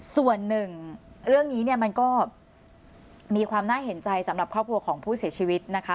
ส่วนหนึ่งเรื่องนี้เนี่ยมันก็มีความน่าเห็นใจสำหรับครอบครัวของผู้เสียชีวิตนะคะ